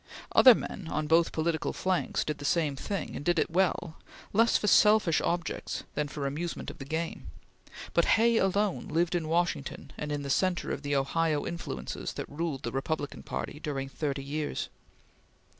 Other men, on both political flanks, did the same thing, and did it well, less for selfish objects than for the amusement of the game; but Hay alone lived in Washington and in the centre of the Ohio influences that ruled the Republican Party during thirty years.